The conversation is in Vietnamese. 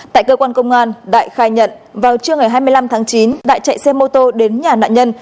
tại cơ quan công an đại khai nhận vào trưa ngày hai mươi năm tháng chín đại chạy xe mô tô đến nhà nạn nhân